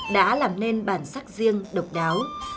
đã làm nên bản sắc riêng độc đáo